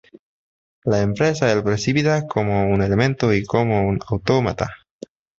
La empresa es percibida como un elemento y como un autómata.